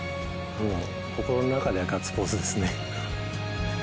もう心の中ではガッツポーズですね。